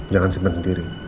jangan simpen sendiri